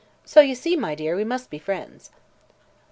So you see, my dear, we must be friends."